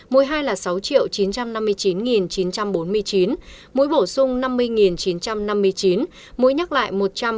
mũi hai là sáu chín trăm năm mươi chín chín trăm bốn mươi chín mũi bổ sung năm mươi chín trăm năm mươi chín mũi nhắc lại một trăm bốn mươi một tám trăm chín mươi